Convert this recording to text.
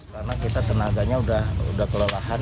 karena kita tenaganya sudah kelelahan